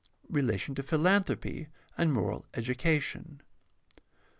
Relation to philanthropy and moral education.